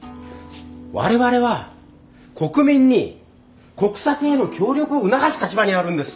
我々は国民に国策への協力を促す立場にあるんです。